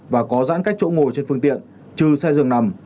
và có giãn cách chỗ ngồi trên phương tiện trừ xe dường nằm